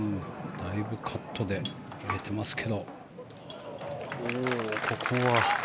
だいぶカットで入れていますが。